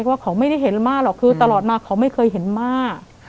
ว่าเขาไม่ได้เห็นม่าหรอกคือตลอดมาเขาไม่เคยเห็นม่า